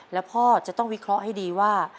แล้วพ่อจะต้องวิเคราะห์ให้ดีว่า